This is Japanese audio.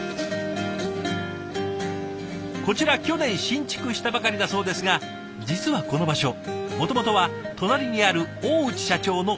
こちら去年新築したばかりだそうですが実はこの場所もともとは隣にある大内社長の家の土地。